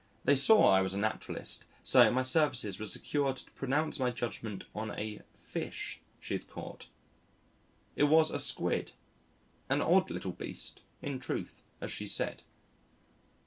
They saw I was a naturalist, so my services were secured to pronounce my judgment on a "fish" she had caught. It was a Squid, "an odd little beast," in truth, as she said.